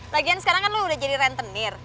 lagian sekarang kan lo udah jadi rentenir